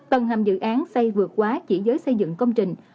tầng hầm dự án xây vượt quá chỉ giới xây dựng công trình